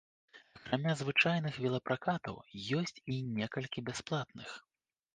Акрамя звычайных велапракатаў, ёсць і некалькі бясплатных.